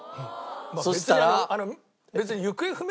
そうしたら。